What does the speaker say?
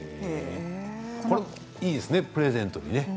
これはいいですねプレゼントにね。